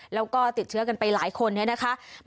แล้วก็ติดเชื้อกันไปหลายคนเนี่ยนะคะ